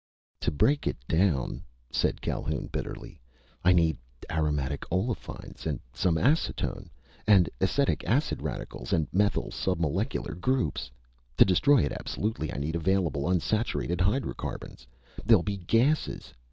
"To break it down," said Calhoun bitterly, "I need aromatic olefines and some acetone, and acetic acid radicals and methyl submolecular groups. To destroy it absolutely I need available unsaturated hydrocarbons they'll be gases!